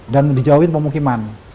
dan dijauhin pemukiman